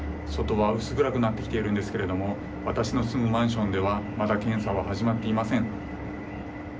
外は薄暗くなってきているんですが私の住むマンションではまだ検査は始まっていません。